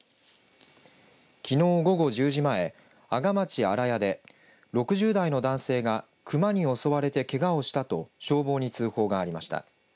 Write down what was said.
きのう午後１０時前阿賀町新谷で６０代の男性が熊に襲われてけがをしたと消防に通報がありました。